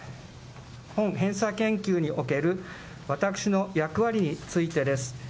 本閉鎖研究における私の役割についてです。